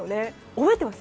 覚えています！